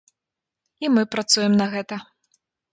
І мы працуем на гэта.